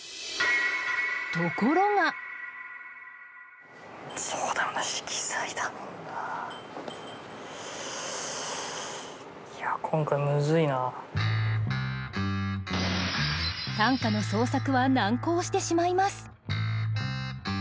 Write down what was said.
ところがそうだよな短歌の創作は難航してしまいます